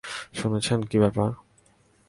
শুনছেন, কী ব্যাপার?